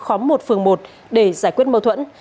khóm một phường một để giải quyết mâu thuẫn